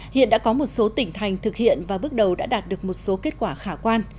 hiện đã có một số tỉnh thành thực hiện và bước đầu đã đạt được một số kết quả khả quan